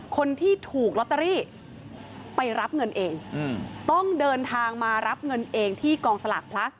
คนที่ถูกลอตเตอรี่ไปรับเงินเองต้องเดินทางมารับเงินเองที่กองสลากพลัส